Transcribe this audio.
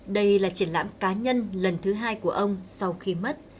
đây là triển lãm cá nhân lần thứ hai của ông sau khi mất